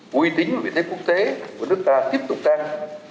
quy tính về thế quốc tế của nước ta tiếp tục tăng